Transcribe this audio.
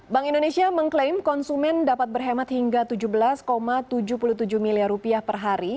bank indonesia mengklaim konsumen dapat berhemat hingga tujuh belas tujuh puluh tujuh miliar rupiah per hari